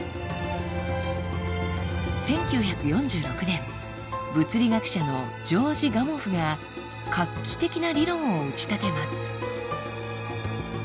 １９４６年物理学者のジョージ・ガモフが画期的な理論を打ち立てます。